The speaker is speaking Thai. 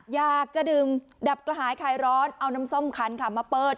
อยากจะดื่มดับกระหายคลายร้อนเอาน้ำส้มคันค่ะมาเปิด